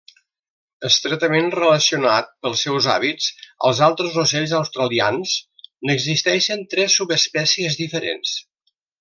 Estretament relacionat pels seus hàbits als altres ocells australians, n'existeixen tres subespècies diferents.